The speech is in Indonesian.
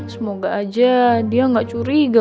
semoga aja dia gak curiga